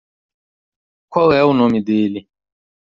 Qual é o nome dele?